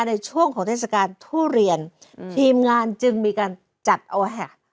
ในช่วงของเทศกาลทุเรียนอืมทีมงานจึงมีการจัดเอาแหะ